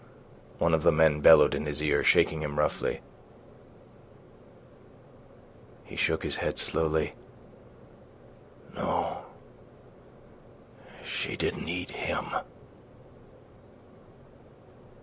one of the men bellowed in his ear, shaking him roughly. He shook his head slowly. "No, she didn't eat him. ..